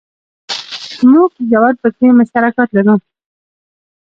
موږ ژور فکري مشترکات لرو.